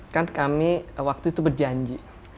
kan kami waktu itu berjanji